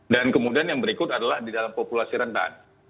dan kemudian yang berikut adalah di dalam populasi rendah